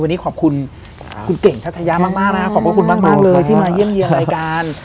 วันนี้ขอบคุณคุณเก่งทัชยามากนะครับขอบพระคุณมากเลยที่มาเยี่ยมเยี่ยมรายการ